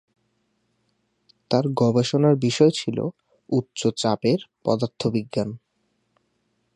তার গবেষণার বিষয় ছিল উচ্চ চাপের পদার্থবিজ্ঞান।